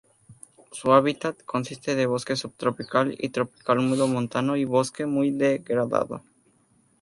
Su hábitat consiste de bosque subtropical y tropical húmedo montano y bosque muy degradado.